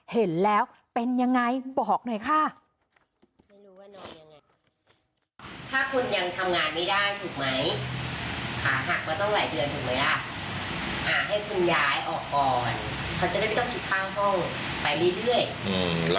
เห็นแล้วเป็นยังไงบอกหน่อยค่ะ